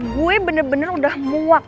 gue bener bener udah muak